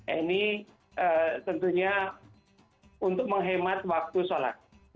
ini tentunya untuk menghemat waktu sholat